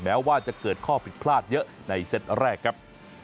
แม้ว่าจะเกิดข้อผิดพลาดเยอะในเซตแรกครับ